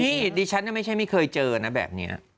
ดิฉันไม่ใช่ไม่เคยเจอนะแบบนี้